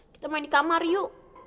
kita main di kamar yuk